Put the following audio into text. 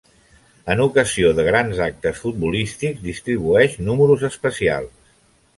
En ocasió de grans actes futbolístics distribueix números especials.